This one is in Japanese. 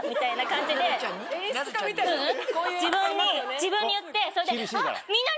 自分に言ってそれで。